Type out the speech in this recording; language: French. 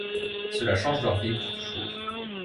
Cela change leur vie pour toujours.